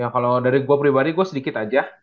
kalo dari gua pribadi gua sedikit aja